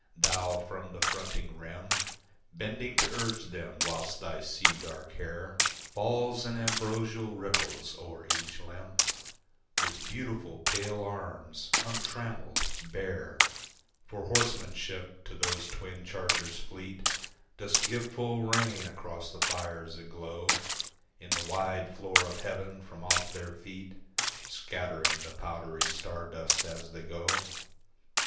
Thou from the fronting rim Bending to urge them, whilst thy sea dark hair Falls in ambrosial ripples o'er each limb, With beautiful pale arms, untrammelled, bare For horsemanship, to those twin chargers fleet Dost give full rein across the fires that glow In the wide floor of heaven, from off their feet Scattering the powdery star dust as they go.